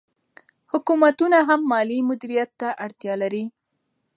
حکومتونه هم مالي مدیریت ته اړتیا لري.